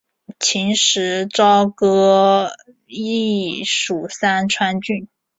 秦时朝歌邑属三川郡。